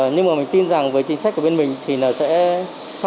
nhưng mà mình tin rằng với chính sách của bên mình thì nó sẽ phát đạo ổn